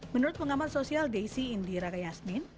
menurut pengamat sosial desi indira gaya yasmin